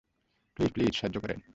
Please, please, সাহায্য করেন।